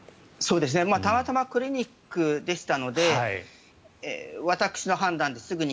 たまたまクリニックでしたので私の判断ですぐに。